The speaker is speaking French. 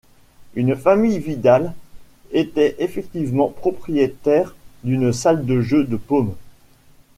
Une famille Vidal était effectivement propriétaire d'une salle de jeu de paume.